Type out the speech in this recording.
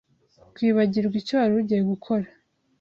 Kwibagirwa icyo warugiye gukora